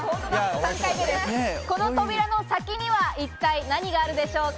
この扉の先には一体何があるでしょうか？